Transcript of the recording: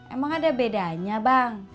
emang ada bedanya bang